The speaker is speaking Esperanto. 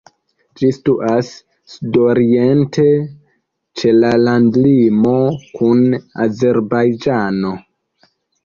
Ĝi situas sudoriente, ĉe la landlimo kun Azerbajĝano.